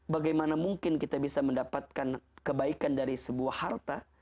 bagaimana mungkin kita bisa mendapatkan kebaikan dari sebuah harta